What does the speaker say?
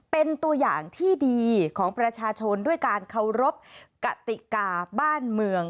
เป็นตัวอย่างที่ดีของประชาชนด้วยการเคารพกติกาบ้านเมือง